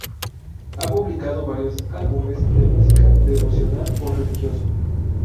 Ha publicado varios álbumes de música devocional o religioso.